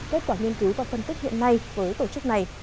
kết quả nghiên cứu và phân tích hiện nay với tổ chức này